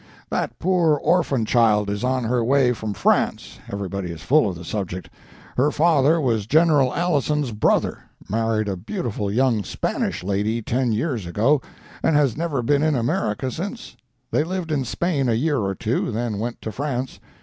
That poor orphan child is on her way from France—everybody is full of the subject. Her father was General Alison's brother; married a beautiful young Spanish lady ten years ago, and has never been in America since. They lived in Spain a year or two, then went to France.